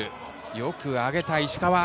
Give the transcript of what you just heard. よく上げた石川。